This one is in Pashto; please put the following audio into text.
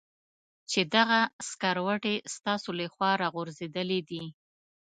چې دغه سکروټې ستاسې له خوا را غورځېدلې دي.